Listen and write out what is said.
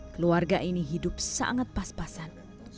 keluarga ini hidup sangat pas pasan